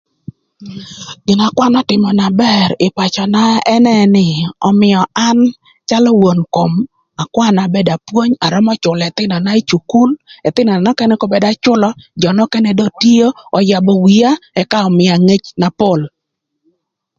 Gin na kwan ötïmö na bër ï pacöna ënë nï ömïö an calö won kom akwanö abedo apwony arömö cülö ëthïnöna ï cukul ëthïnö nökënë kobedini acülö, jö nökënë dong tio öyabö wia ëka ömïa ngec na pol.